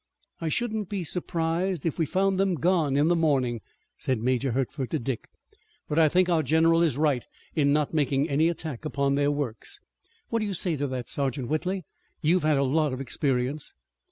"I shouldn't be surprised if we found them gone in the morning," said Major Hertford to Dick. "But I think our general is right in not making any attack upon their works. What do you say to that, Sergeant Whitley? You've had a lot of experience."